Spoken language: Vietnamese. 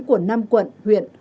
của năm quận huyện